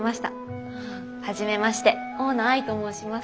初めまして大野愛と申します。